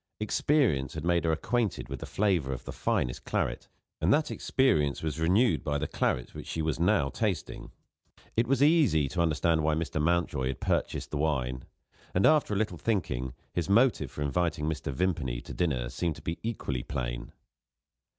Experience had made her acquainted with the flavour of the finest claret and that experience was renewed by the claret which she was now tasting. It was easy to understand why Mr. Mountjoy had purchased the wine; and, after a little thinking, his motive for inviting Mr. Vimpany to dinner seemed to be equally plain.